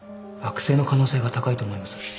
悪性の可能性が高いと思います